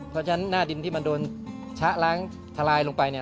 เพราะฉะนั้นหน้าดินที่มันโดนชะล้างทลายลงไปเนี่ย